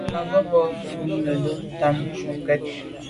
Á rə̌ bā mfū zə̄ bú fí nə̌ lǔ’ tɑ̂mə̀ ngokɛ́t.